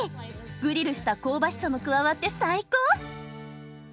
グリルした香ばしさも加わって最高！